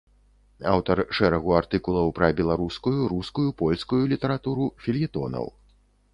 Аўтар шэрагу артыкулаў пра беларускую, рускую, польскую літаратуру, фельетонаў.